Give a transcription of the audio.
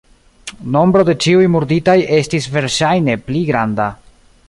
Nombro de ĉiuj murditaj estis verŝajne pli granda.